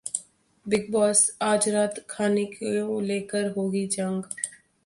Bigg Boss: आज रात खाने को लेकर होगी जंग